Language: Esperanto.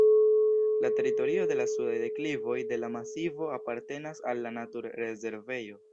La teritorio de la sudaj deklivoj de la masivo apartenas al la natur-rezervejo.